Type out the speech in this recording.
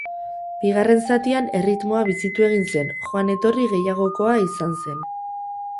Bigarren zatian erritmoa bizitu egin zen, joan etorri gehiagokoa izan zen.